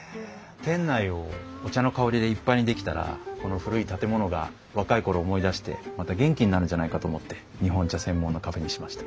店内をお茶の香りでいっぱいにできたらこの古い建物が若い頃を思い出してまた元気になるんじゃないかと思って日本茶専門のカフェにしました。